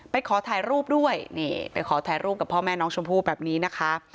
ขอถ่ายรูปด้วยนี่ไปขอถ่ายรูปกับพ่อแม่น้องชมพู่แบบนี้นะคะ